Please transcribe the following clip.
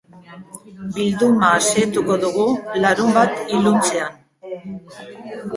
Bilduma xehetuko dugu larunbat iluntzean.